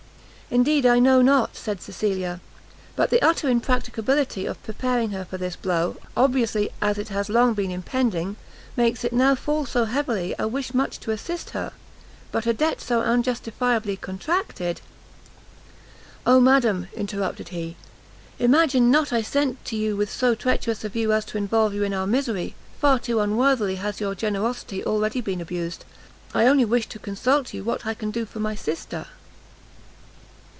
"Indeed I know not!" said Cecilia, "but the utter impracticability of preparing her for this blow, obviously as it has long been impending, makes it now fall so heavily I wish much to assist her, but a debt so unjustifiably contracted " "O madam," interrupted he, "imagine not I sent to you with so treacherous a view as to involve you in our misery; far too unworthily has your generosity already been abused. I only wish to consult with you what I can do for my sister."